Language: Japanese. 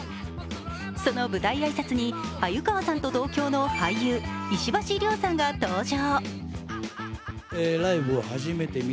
その舞台挨拶に鮎川さんと同郷の俳優、石橋凌さんが登場。